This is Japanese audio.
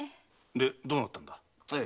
でどうなったんだ？